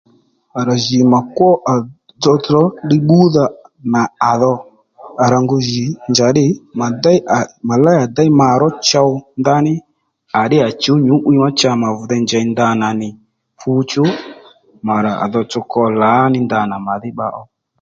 À rà jì mà kwó à tsotso ddiy bbúdha nà à dho à rà ngu jì njàddî mà déy à mà léy à déy mà ró chow ndaní à ddí à chǔw nyǔ'wiy ma cha mà vi dey njěy ndanà nì fǔchú mà rà à tsotso kwo lǎní ndanà màdhí bba ó